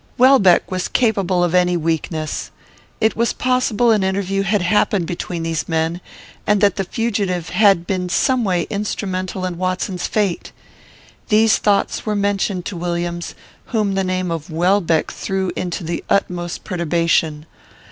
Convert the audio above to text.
Welbeck was capable of any weakness. It was possible an interview had happened between these men, and that the fugitive had been someway instrumental in Watson's fate. These thoughts were mentioned to Williams, whom the name of Welbeck threw into the utmost perturbation.